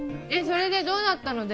それでどうだったの？